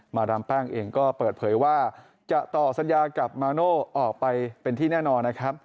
ดามแป้งเองก็เปิดเผยว่าจะต่อสัญญากับมาโน่ออกไปเป็นที่แน่นอนนะครับ